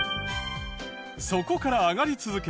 そこから上がり続け